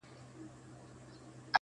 ځکه چي لګښت یې بل څوک ورکوي